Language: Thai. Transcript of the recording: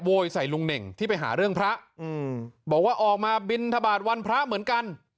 ใส่ลุงเน่งที่ไปหาเรื่องพระอืมบอกว่าออกมาบินทบาทวันพระเหมือนกัน